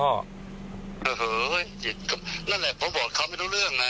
นั่นแหละผมบอกเขาไม่รู้เรื่องไง